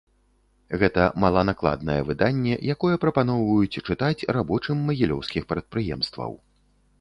Гэта маланакладнае выданне, якое прапаноўваюць чытаць рабочым магілёўскіх прадпрыемстваў.